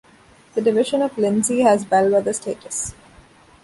The Division of Lindsay has bellwether status.